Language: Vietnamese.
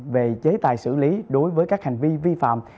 về chế tài xử lý đối với các hành vi vi phạm